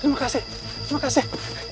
terima kasih terima kasih